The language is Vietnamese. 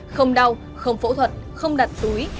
không đau không phẫu thuật không đặt túi